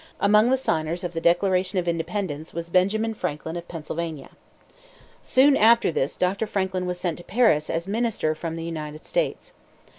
Among the signers of the Declaration of Independence was Benjamin Franklin of Pennsylvania. Soon after this Dr. Franklin was sent to Paris as minister from the United States.